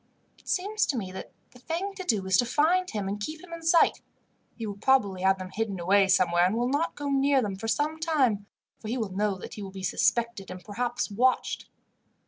"It seems to me that the thing to do is to find him, and keep him in sight. He will probably have them hidden away somewhere, and will not go near them for some time, for he will know that he will be suspected, and perhaps watched."